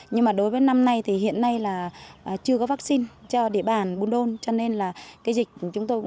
nhưng mà đối với năm nay thì hiện nay là chưa có vaccine cho địa bàn bùn đôn cho nên là cái dịch chúng tôi cũng gặp khó khăn